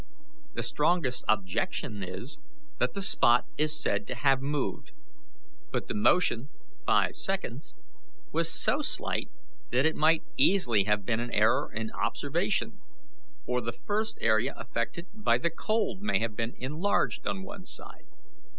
The strongest objection is, that the spot is said to have moved; but the motion five seconds was so slight that it might easily have been an error in observation, or the first area affected by the cold may have been enlarged on one side.